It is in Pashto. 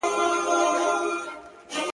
تنها نوم نه چي خِصلت مي د انسان سي-